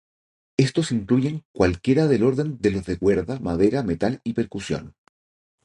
Estos incluyen cual quiera del orden de los de cuerda, madera, metal y percusión.